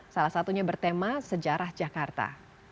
salah satunya bertema sejarah jakarta